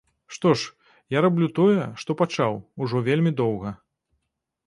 Што ж, я раблю тое, што пачаў, ужо вельмі доўга.